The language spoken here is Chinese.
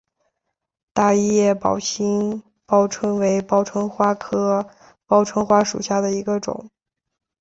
大叶宝兴报春为报春花科报春花属下的一个种。